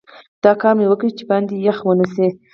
دا کار مې وکړ چې باندې یخ ونه شي.